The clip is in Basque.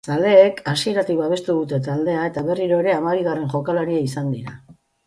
Zaleek hasieratik babestu dute taldea eta berriro ere hamabigarren jokalaria izan dira.